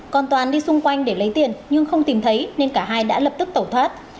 còn toàn đi xung quanh để lấy tiền nhưng không tìm thấy nên cả hai đã lập tức tẩu thoát